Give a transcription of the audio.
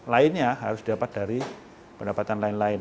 lainnya harus didapat dari pendapatan lain lain